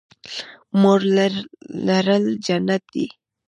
مور لرل جنت دی